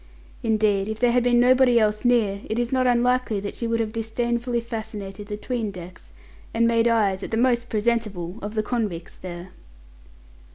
Indeed, if there had been nobody else near, it is not unlikely that she would have disdainfully fascinated the 'tween decks, and made eyes at the most presentable of the convicts there.